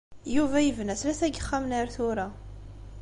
Yuba yebna tlata n yixxamen ar tura.